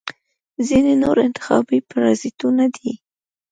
ځینې نور انتخابي پرازیتونه دي.